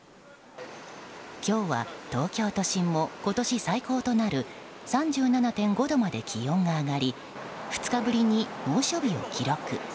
今日は東京都心も今年最高となる３７．５度まで気温が上がり２日ぶりに猛暑日を記録。